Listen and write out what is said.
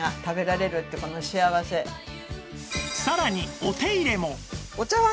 さらにお手入れも